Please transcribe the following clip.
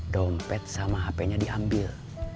dompet sama hapenya diambil